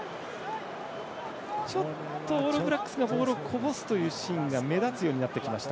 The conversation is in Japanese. ちょっとオールブラックスボールをこぼすというシーンが目立つようになってきました。